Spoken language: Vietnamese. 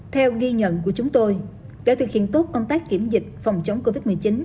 theo ghi nhận của chúng tôi để thực hiện tốt công tác kiểm dịch phòng chống covid một mươi chín